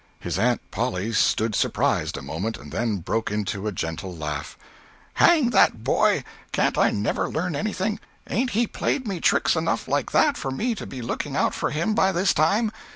His aunt Polly stood surprised a moment, and then broke into a gentle laugh. "Hang the boy, can't I never learn anything? Ain't he played me tricks enough like that for me to be looking out for him by this time?